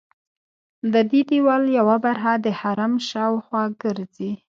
ددې دیوال یوه برخه د حرم شاوخوا ګرځي.